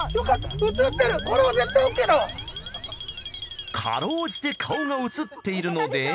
かろうじて顔が写っているので。